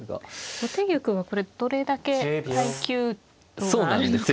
後手玉がこれどれだけ耐久度があるのか。